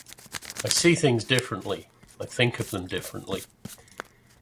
I see things differently, I think of them differently.